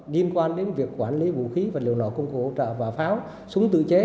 liên quan đến việc quản lý vũ khí vật liệu nổ công cụ hỗ trợ và pháo súng tự chế